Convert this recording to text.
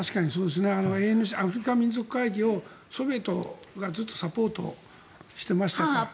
アフリカ民族会議をソビエトがずっとサポートしていましたけど。